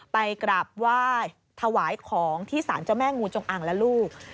ไปกราบไหว้ถวายของที่สารเจ้าแม่งูจงอ่างและลูก